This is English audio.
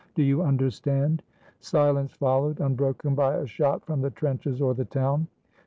Do you understand?" Silence followed, unbroken by a shot from the trenches or the town.